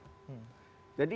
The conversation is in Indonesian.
jadi yang paling penting